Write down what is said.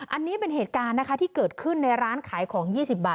อันนี้เป็นเหตุการณ์นะคะที่เกิดขึ้นในร้านขายของ๒๐บาท